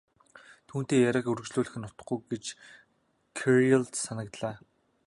Түүнтэй яриаг үргэжлүүлэх нь утгагүй юм гэж Кириллд санагдлаа.